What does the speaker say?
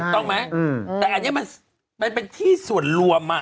แต่อันนี้มันเป็นที่ส่วนรวม